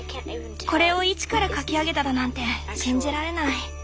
これを一から描き上げただなんて信じられない。